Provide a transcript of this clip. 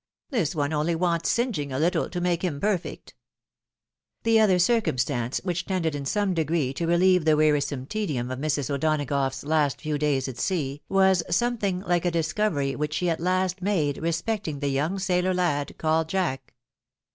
This one only wants singeing a little, to make him perfect." The other circumstance which tended in some degree to relieve the wearisome tedium of Mrs. O'Donagough's last few days at sea, was something like a discovery which she at last made, respecting the young sailor lad, called Jack.